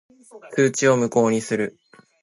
通知を無効にする。